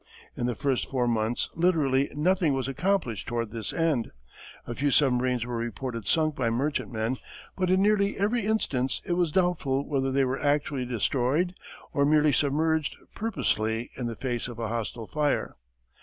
In the first four months literally nothing was accomplished toward this end. A few submarines were reported sunk by merchantmen, but in nearly every instance it was doubtful whether they were actually destroyed or merely submerged purposely in the face of a hostile fire.